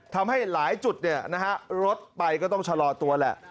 ทำให้หลายจุดรถไปก็ต้องชะลอตัวแหละ